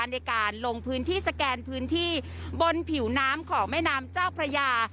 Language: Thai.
ในการลงพื้นที่สแกนพื้นที่บนผิวน้ำของแม่น้ำเจ้าพระยา